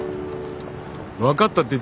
分かった。